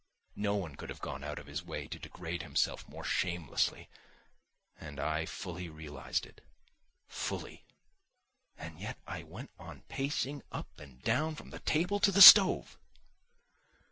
No one could have gone out of his way to degrade himself more shamelessly, and I fully realised it, fully, and yet I went on pacing up and down from the table to the stove.